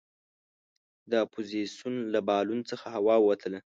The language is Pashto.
د اپوزیسون له بالون څخه هوا ووتله.